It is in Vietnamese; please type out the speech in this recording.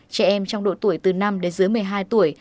trẻ em trong độ tuổi từ năm đến dưới một mươi hai tuổi